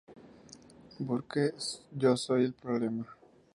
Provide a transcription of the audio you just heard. Burke: Yo soy el problema.